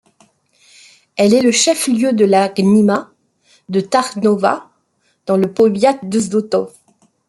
Elle est le chef-lieu de la gmina de Tarnówka, dans le powiat de Złotów.